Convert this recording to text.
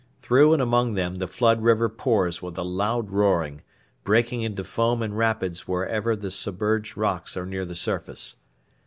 Through and among them the flood river pours with a loud roaring, breaking into foam and rapids wherever the submerged rocks are near the surface.